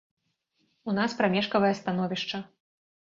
У нас прамежкавае становішча.